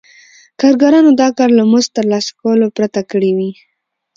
کارګرانو دا کار له مزد ترلاسه کولو پرته کړی وي